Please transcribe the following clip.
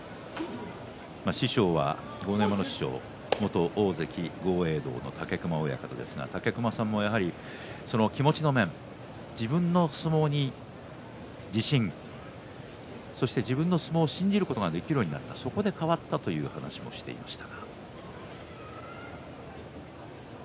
師匠は豪ノ山の師匠元大関豪栄道の武隈親方ですが武隈さんも気持ちの面自分の相撲に自信自分の相撲を信じることができるようになって変わったと言っていました。